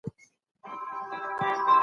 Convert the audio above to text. موږ باید د الله شکر وباسو.